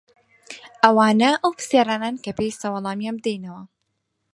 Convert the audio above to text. ئەوانە ئەو پرسیارانەن کە پێویستە وەڵامیان بدەینەوە.